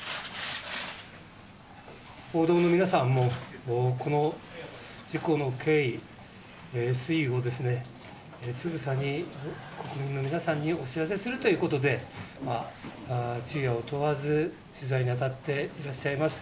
報道の皆さんも、この事故の経緯つぶさに、国民の皆さんにお知らせするということで昼夜を問わず取材に当たっております。